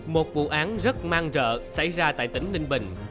một vụ án rất mang rợ xảy ra tại tỉnh ninh bình